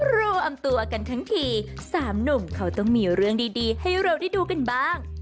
รวมตัวกันทั้งทีสามหนุ่มเขาต้องมีเรื่องดีให้เราได้ดูกันบ้าง